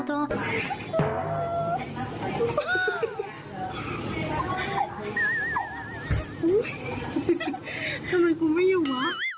ทำไมกูไม่อยู่วะ